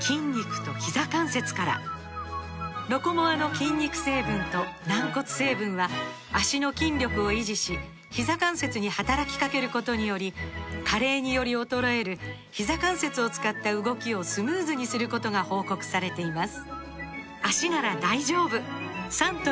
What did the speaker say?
「ロコモア」の筋肉成分と軟骨成分は脚の筋力を維持しひざ関節に働きかけることにより加齢により衰えるひざ関節を使った動きをスムーズにすることが報告されています